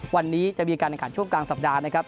วันนี้จะมีการแข่งขันช่วงกลางสัปดาห์นะครับ